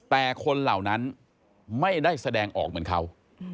แต่คนเหล่านั้นไม่ได้แสดงออกเหมือนเขา